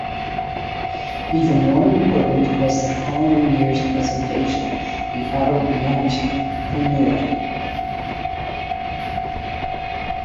Even more important was the following year's presentation, the Autobianchi Primula.